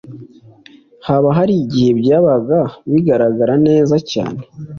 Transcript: Haba Hari igihe byabaga bigaragara neza cyane